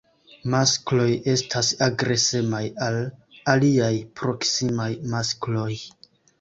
Maskloj estas agresemaj al aliaj proksimaj maskloj.